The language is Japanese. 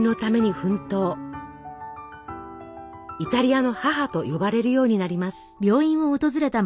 「イタリアの母」と呼ばれるようになります。